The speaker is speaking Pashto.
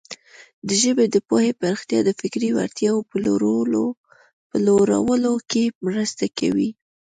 د ژبې د پوهې پراختیا د فکري وړتیاوو په لوړولو کې مرسته کوي.